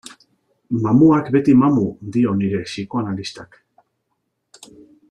Mamuak beti mamu, dio nire psikoanalistak.